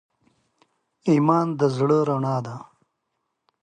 ایمان د زړه رڼا ده.